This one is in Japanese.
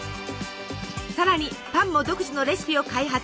さらにパンも独自のレシピを開発。